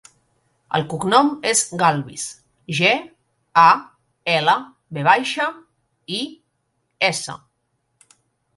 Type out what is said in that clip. El cognom és Galvis: ge, a, ela, ve baixa, i, essa.